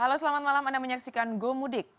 halo selamat malam anda menyaksikan go mudik